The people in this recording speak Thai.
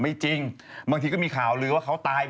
คือจริงตุ๊กกี้เขาบอกเขามีสัญญาอยู่กับเวิร์ดพอยต์เนี่ย